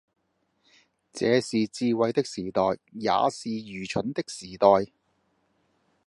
這是智慧的時代，也是愚蠢的時代，